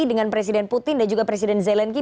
dengan presiden putin dan juga presiden zelensky